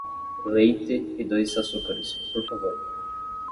Leite e dois açucares, por favor.